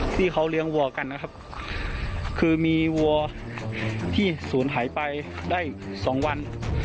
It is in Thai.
ที่เขาเลี้ยงวัวกันนะครับคือมีวัวที่ศูนย์หายไปได้สองวัน